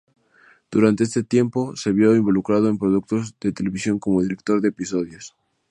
Durante este tiempo, se vio involucrado en productos de televisión como director de episodios.